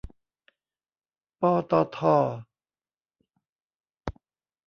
ปตท